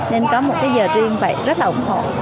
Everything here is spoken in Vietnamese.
nên có một cái giờ riêng vậy rất là ủng hộ